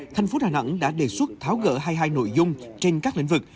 thành phố đà nẵng đã đề xuất tháo gỡ hai mươi hai nội dung trên các lĩnh vực